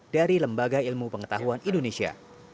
dari lembaga ilmu pengetahuan indonesia